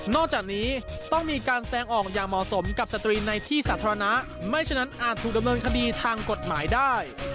จากนี้ต้องมีการแสดงออกอย่างเหมาะสมกับสตรีในที่สาธารณะไม่ฉะนั้นอาจถูกดำเนินคดีทางกฎหมายได้